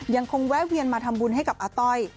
แวะเวียนมาทำบุญให้กับอาต้อย